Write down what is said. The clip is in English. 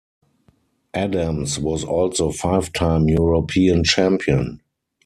Adams was also five-time European Champion.